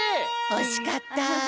おしかった！